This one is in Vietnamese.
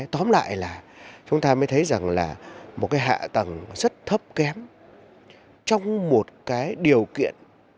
tóm lại là chúng ta mới thấy rằng là một hạ tầng rất thấp kém trong một điều kiện